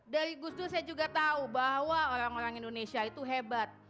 dari gus dur saya juga tahu bahwa orang orang indonesia itu hebat